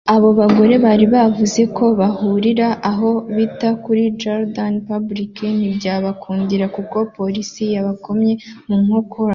Abo bagore bari bavuze ko bahurira aho bita kuri ‘Jardin Public’ ntibyabakundira kuko Polisi yabakomye mu nkokora